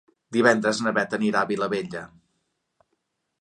Divendres na Beth anirà a Vilabella.